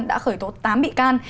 đã khởi tố tám bị can